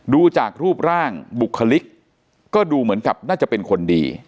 ดูจากรูปร่างบุคลิกก็ดูเหมือนกับน่าจะเป็นคนดี